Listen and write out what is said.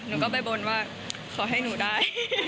หนูก็ไปบนว่าขอให้หนูได้